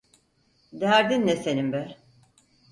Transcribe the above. Derdin ne senin be?